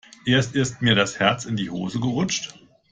Erst ist mir das Herz in die Hose gerutscht.